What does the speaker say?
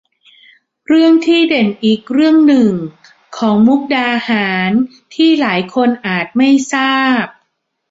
เรื่องที่เด่นอีกเรื่องหนึ่งของมุกดาหารที่หลายคนอาจไม่ทราบ